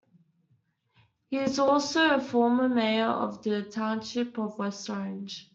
He is also a former mayor of the Township of West Orange.